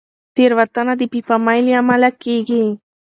تېروتنه د بې پامۍ له امله کېږي.